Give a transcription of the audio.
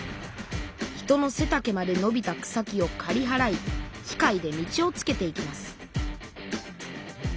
人のせたけまでのびた草木をかりはらい機械で道をつけていきます